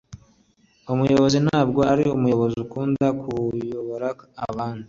umuyobozi ntabwo ari umuyobozi ukunda kuyobora abandi